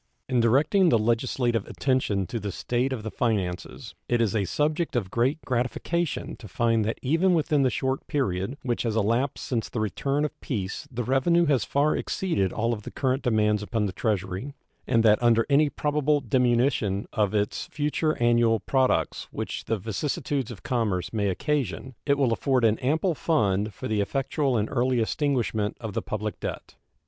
In directing the legislative attention to the state of the finances it is a subject of great gratification to find that even within the short period which has elapsed since the return of peace the revenue has far exceeded all the current demands upon the Treasury, and that under any probable diminution of its future annual products which the vicissitudes of commerce may occasion it will afford an ample fund for the effectual and early extinguishment of the public debt.